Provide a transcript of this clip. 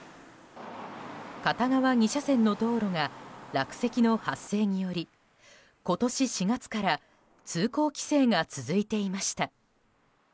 片側２車線の道路が落石の発生により今年４月から通行規制が続いていました。